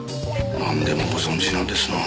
なんでもご存じなんですなあ。